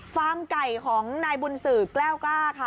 ฟาร์มไก่ของนายบุญสือแกล้วกล้าค่ะ